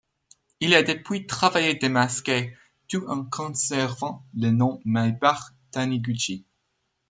Il a depuis travaillé démasqué, tout en conservant le nom Maybach Taniguchi.